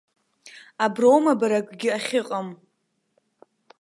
Аброума бара акгьы ахьыҟам?!